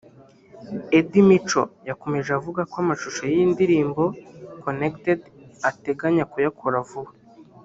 Eddie Mico yakomeje avuga ko amashusho y’iyi ndirimbo Connected ateganya kuyakora vuba